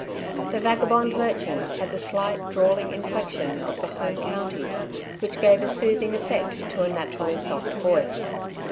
The vagabond merchant had the slight drawling inflection of the Home Counties, which gave a soothing effect to a naturally soft voice.